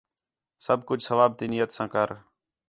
سب کُجھ ثواب تی نیت ساں کر